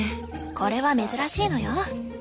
これは珍しいのよ。